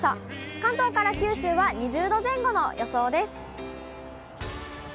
関東から九州は２０度前後の予想です。